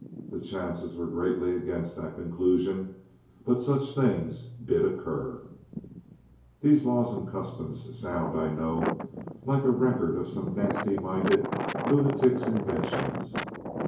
The chances were greatly against that conclusion, but such things did occur. These laws and customs sound, I know, like a record of some nasty minded lunatic's inventions.